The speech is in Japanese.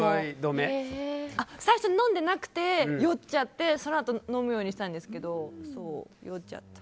最初飲んでなくて酔っちゃってそのあと、飲むようにしてたんですけど酔っちゃって。